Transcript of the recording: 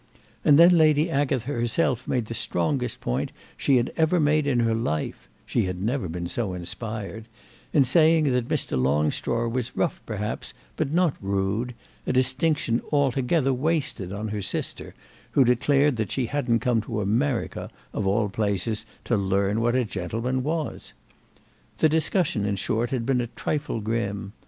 And then Lady Agatha herself made the strongest point she had ever made in her life (she had never been so inspired) in saying that Mr. Longstraw was rough perhaps, but not rude—a distinction altogether wasted on her sister, who declared that she hadn't come to America, of all places, to learn what a gentleman was. The discussion in short had been a trifle grim.